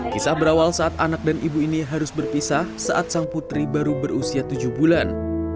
kisah berawal saat anak dan ibu ini harus berpisah saat sang putri baru berusia tujuh bulan